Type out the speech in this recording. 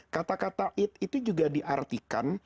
kata kata id itu juga diartikan